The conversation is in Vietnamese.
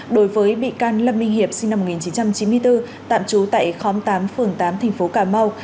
đối với bị can lâm minh hiệp sinh năm một nghìn chín trăm chín mươi bốn tạm trú tại khóm tám phường tám tp cà mau